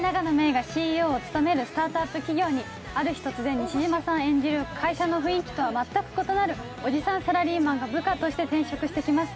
郁がＣＥＯを務めるスタートアップ企業にある日突然西島さん演じる会社の雰囲気とは全く異なるおじさんサラリーマンが部下として転職してきます。